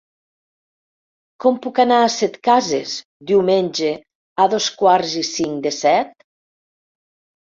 Com puc anar a Setcases diumenge a dos quarts i cinc de set?